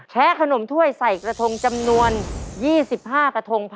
ขนมถ้วยใส่กระทงจำนวน๒๕กระทง